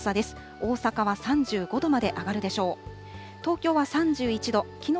大阪は３５度まで上がるでしょう。